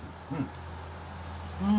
うん。